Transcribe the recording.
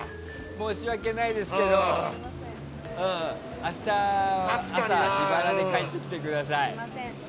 申し訳ないですけど明日、自腹で帰ってきてください。